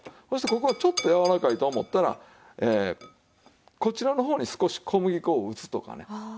そしてここがちょっとやわらかいと思ったらこちらの方に少し小麦粉を打つとかね。